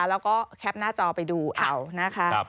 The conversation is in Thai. แล้วก็แคปหน้าจอไปดูเอานะคะ